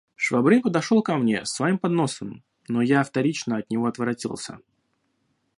Швабрин подошел ко мне с своим подносом; но я вторично от него отворотился.